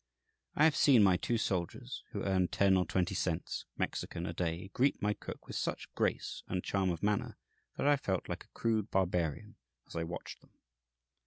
I have seen my two soldiers, who earned ten or twenty cents, Mexican, a day, greet my cook with such grace and charm of manner that I felt like a crude barbarian as I watched them.